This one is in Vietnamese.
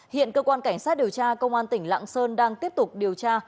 hiện cơ quan cảnh sát điều tra công an tỉnh lạng sơn đang tiếp tục điều tra